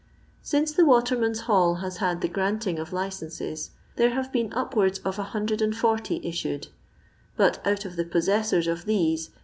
Since the Waterman's U:dl has had the granting of licences, there have been upwards of HO issued ; but out of the possessors of these m.